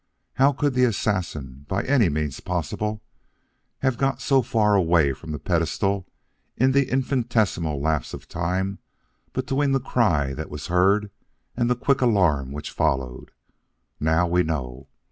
How could the assassin, by any means possible, have got so far away from the pedestal, in the infinitesimal lapse of time between the cry that was heard and the quick alarm which followed. Now we know.